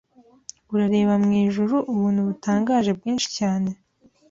Urareba mwijuru Ubuntu butangaje bwinshi cyane